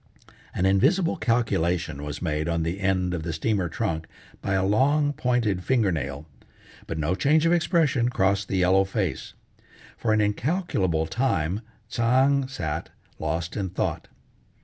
An invisible calculation was made on the end of the steamer trunk by a long, pointed, fingernail, but no change of expression crossed the yellow face. For an incalculable time Tsang sat, lost in thought.